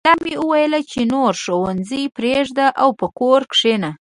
پلار مې وویل چې نور ښوونځی پریږده او په کور کښېنه